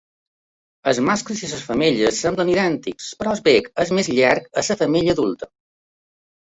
Els mascles i les femelles semblen idèntics, però el bec és més llarg a la femella adulta.